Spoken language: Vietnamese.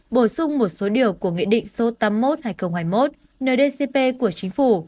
bổ sung một số điều của nghị định số tám mươi một hai nghìn hai mươi một ndcp của chính phủ